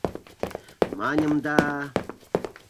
— Маньым да...